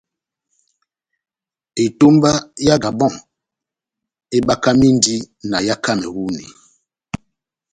Etomba yá Gabon ebakamindi na yá Kameruni.